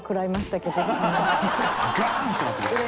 ガーン！ってなってましたね。